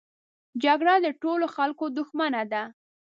جګړه د ټولو خلکو دښمنه ده